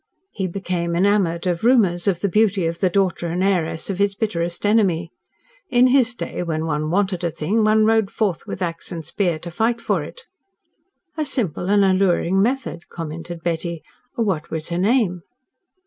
He became enamoured of rumours of the beauty of the daughter and heiress of his bitterest enemy. In his day, when one wanted a thing, one rode forth with axe and spear to fight for it." "A simple and alluring method," commented Betty. "What was her name?"